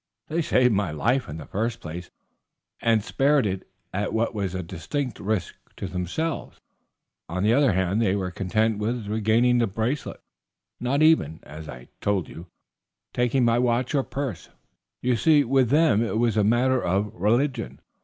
They saved my life in the first place, and spared it at what was a distinct risk to themselves. On the other hand, they were content with regaining the bracelet, not even, as I told you, taking my watch or purse. You see, with them it was a matter of religion.